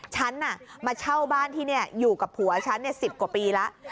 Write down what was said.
ฉันมาเช่าบ้านที่นี่อยู่กับผัวฉัน๑๐กว่าปีแล้ว